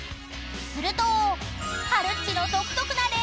［すると］